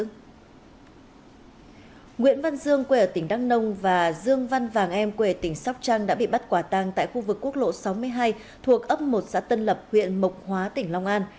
nguyễn văn dương quê ở tỉnh đăng nông và dương văn vàng em quê ở tỉnh sóc trăng đã bị bắt quả tang tại khu vực quốc lộ sáu mươi hai thuộc ấp một xã tân lập huyện mộc hóa tỉnh long an